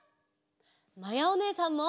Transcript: まやおねえさんも！